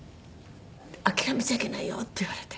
「諦めちゃいけないよ」って言われて。